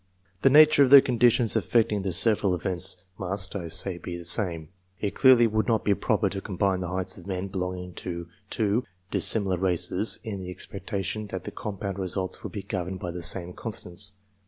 The nature of the conditions affecting the several events must, I say, be the same. It clearly would not be proper to combine the heights of men belonging to two dissimilar races, in the expectation that the compound results would be governed by the same constants.